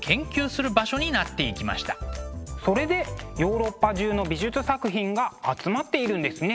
それでヨーロッパ中の美術作品が集まっているんですね。